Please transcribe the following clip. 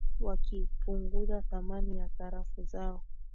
wakipunguza thamani ya sarafu zao